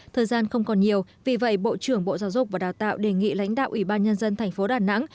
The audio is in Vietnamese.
thời gian không còn nhiều vì vậy bộ trưởng bộ giáo dục và đào tạo đề nghị lãnh đạo ủy ban nhân dân thành phố đà nẵng